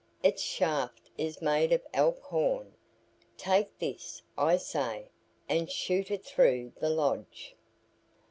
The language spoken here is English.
Its shaft is made of elk horn. Take this, I say, and shoot it through the lodge."